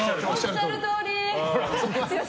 おっしゃるとおり。